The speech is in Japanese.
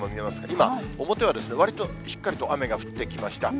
今、表はわりとしっかりと雨が降ってきました。